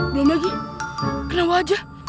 belum lagi kena wajah